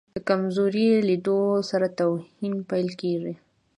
د کمزوري لیدلو سره توهین پیل کېږي.